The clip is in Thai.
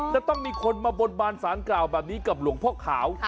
จะต้องมีคนมาบนบานสารกล่าวแบบนี้กับหลวงพ่อขาว